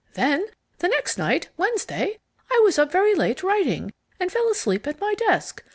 Then the next night, Wednesday, I was up very late writing, and fell asleep at my desk.